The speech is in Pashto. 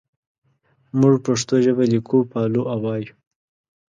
موږ پښتو ژبه لیکو پالو او وایو.